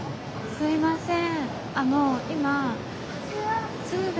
すいません